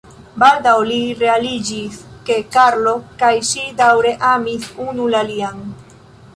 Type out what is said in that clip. Baldaŭ li realiĝis ke Karlo kaj ŝi daŭre amis unu la alian.